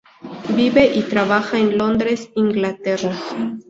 Vive y trabaja en Londres, Inglaterra.